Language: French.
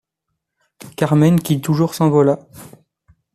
Carmen qui toujours-s’envola